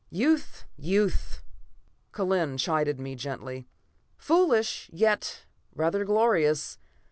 "Youth! Youth!" Kellen chided me gently. "Foolish, yet rather glorious.